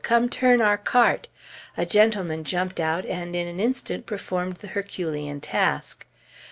come turn our cart!" a gentleman jumped out and in an instant performed the Herculean task.